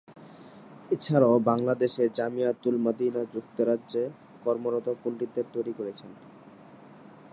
এছাড়াও বাংলাদেশে জামিয়া-তুল-মদিনা যুক্তরাজ্যে কর্মরত পণ্ডিতদের তৈরি করেছেন।